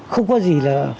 không có gì là